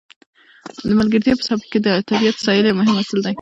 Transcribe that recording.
د ملکیار په سبک کې د طبیعت ستایل یو مهم اصل دی.